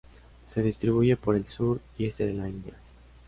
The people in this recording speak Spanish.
Se distribuye por el sur y este de la India.